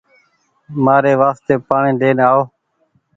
مآري واستي پآڻيٚ لين آئو